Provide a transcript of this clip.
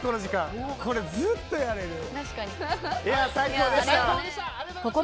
これずっとやれる。